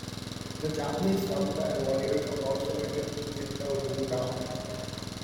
The Japanese samurai warriors were also adept with the wodao.